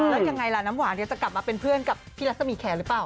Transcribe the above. แล้วยังไงล่ะน้ำหวานจะกลับมาเป็นเพื่อนกับพี่รัศมีแคร์หรือเปล่า